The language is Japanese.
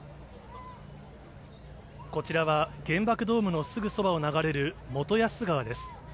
こちらは、原爆ドームのすぐそばを流れる元安川です。